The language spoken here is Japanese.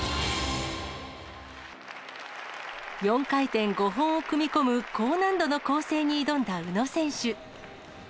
４回転５本を組み込む高難度の構成に挑んだ宇野選手。